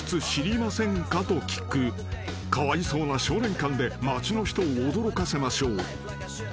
［かわいそうな少年感で街の人を驚かせましょう］